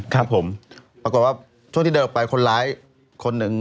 ครับผมปรากฏว่าช่วงที่เดินออกไปคนร้ายคนหนึ่ง